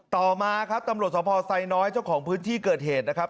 ต่อมาตำรวจสงคร์พนใสน้อยเจ้าของพื้นที่เกิดเหตุนะครับ